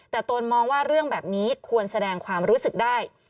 แต่ตนมองว่าเรื่องแบบนี้ควรแสดงความรู้สึกได้